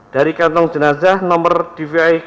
dari kantong jenazah nomor dvi lion tanjung priok delapan